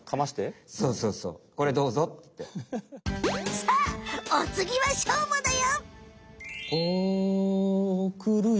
さあおつぎはしょうまだよ！